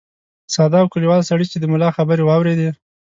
ساده او کلیوال سړي چې د ملا خبرې واورېدې.